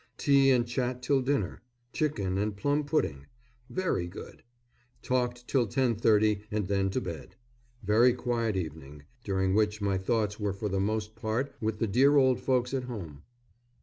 Tea and chat till dinner; chicken and plum pudding. Very good. Talked till 10.30 and then to bed. Very quiet evening, during which my thoughts were for the most part with the dear old folks at home....